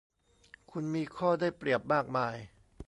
คุณมีข้อได้เปรียบมากมาย